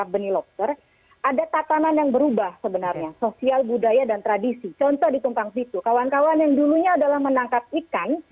beberapa berafiliasi dengan